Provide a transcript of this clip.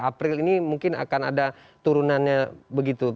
april ini mungkin akan ada turunannya begitu